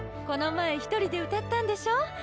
この前１人で歌ったんでしょ？